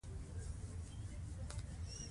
سیلاب څنګه مخنیوی کړو؟